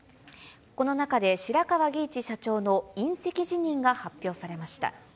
この中で白川儀一社長の引責辞任が発表されました。